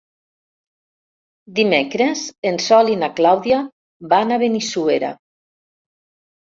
Dimecres en Sol i na Clàudia van a Benissuera.